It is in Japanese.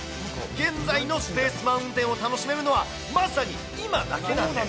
現在のスペース・マウンテンを楽しめるのは、まさに今だけなんです。